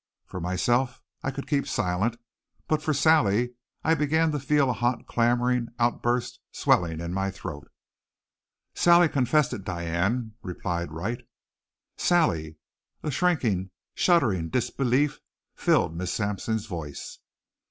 For myself I could keep silent, but for Sally I began to feel a hot clamoring outburst swelling in my throat. "Sally confessed it, Diane," replied Wright. "Sally!" A shrinking, shuddering disbelief filled Miss Sampson's voice.